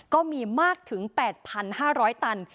ก็มีมากถึง๘๕๐๐ตัน